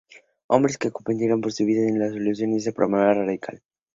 Hombres que comprometieron su vida en la solución a este problema radical.